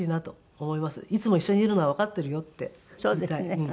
いつも一緒にいるのはわかってるよって言いたい。